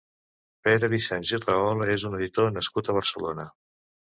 Pere Vicens i Rahola és un editor nascut a Barcelona.